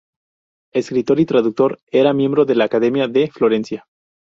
Escritor y traductor, era miembro de la Academia de Florencia.